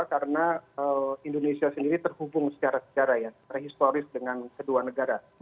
karena indonesia sendiri terhubung secara secara ya terhistoris dengan kedua negara